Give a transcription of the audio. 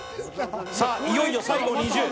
いよいよ最後２０。